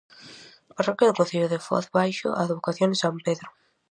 Parroquia do concello de Foz baixo a advocación de san Pedro.